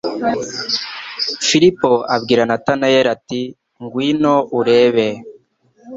Filipo abwira Natanaeli ati : "Ngwino urebe."